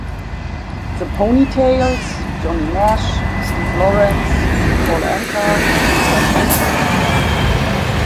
The Poni-Tails, Johnny Nash, Steve Lawrence, Paul Anka und Sam Cooke.